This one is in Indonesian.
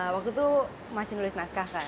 waktu itu masih nulis naskah kak